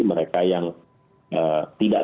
mereka yang tidak